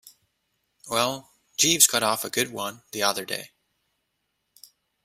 Well, Jeeves got off a good one the other day.